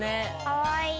かわいい。